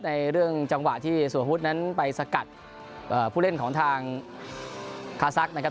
ในเรื่องจังหวะที่สวพุทธนั้นไปสกัดผู้เล่นของทางคาซักนะครับ